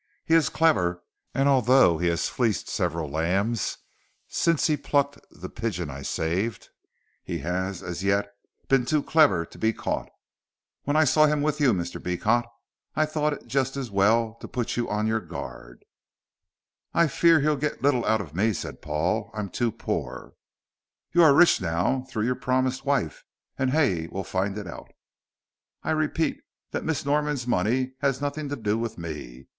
He is clever, and although he has fleeced several lambs since he plucked the pigeon I saved, he has, as yet, been too clever to be caught. When I saw you with him, Mr. Beecot, I thought it just as well to put you on your guard." "I fear he'll get little out of me," said Paul. "I am too poor." "You are rich now through your promised wife, and Hay will find it out." "I repeat that Miss Norman's money has nothing to do with me.